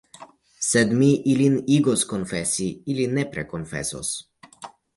Sed mi ilin igos konfesi, ili nepre konfesos.